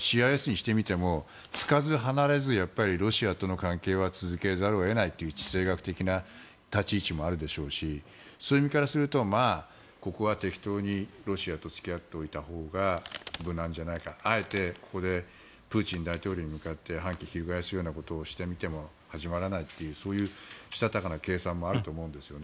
ＣＩＳにしてもつかず離れずのロシアとの関係は続けざるを得ないという地政学的な立ち位置もあるでしょうしそういう意味からいうとまあ、ここは適当にロシアと付き合っておいたほうが無難じゃないかあえてここでプーチン大統領に向かって反旗を翻すことをしてみても始まらないというそういう、したたかな計算もあると思うんですね。